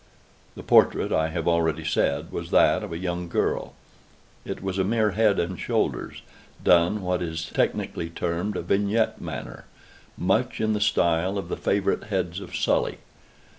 The portrait, I have already said, was that of a young girl. It was a mere head and shoulders, done in what is technically termed a vignette manner; much in the style of the favorite heads of Sully.